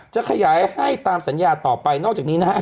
จะขยายให้ตามสัญญาต่อไปนอกจากนี้นะฮะ